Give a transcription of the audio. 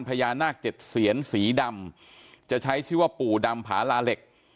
พญานาคเจ็ดเซียนสีดำจะใช้ชื่อว่าปู่ดำผาลาเหล็ก